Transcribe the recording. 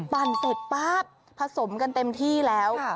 ปั่นเสร็จป๊าบผสมกันเต็มที่แล้ว